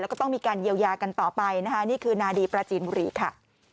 แล้วก็ต้องมีการเยียวยากันต่อไปนะคะนี่คือนาดีปราจีนบุรีค่ะ